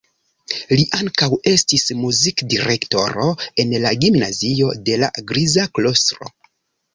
Li ankaŭ estis muzik-direktoro en la gimnazio de la "Griza Klostro".